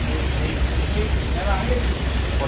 อ๋อต้องกลับมาก่อน